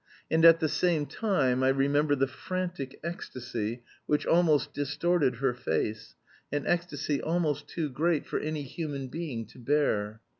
And at the same time I remember the frantic ecstasy which almost distorted her face an ecstasy almost too great for any human being to bear.